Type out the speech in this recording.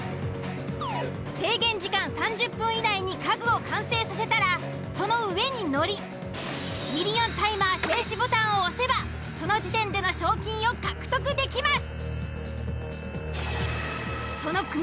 制限時間３０分以内に家具を完成させたらその上に乗りミリオンタイマー停止ボタンを押せばその時点での賞金を獲得できます。